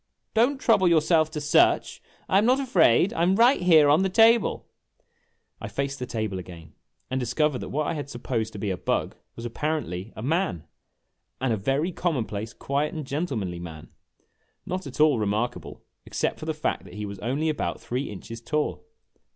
" Don't trouble yourself to search. I am not afraid. I 'm right here on the table !' A LOST OPPORTUNITY 69 I faced the table again and discovered that what I had supposed to be a bug was, apparently, a man; and a very commonplace, quiet, and gentlemanly man, not at all remarkable, except for the fact that he was only about three inches tall.